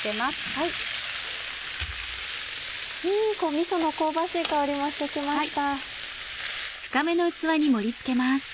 みその香ばしい香りもしてきました。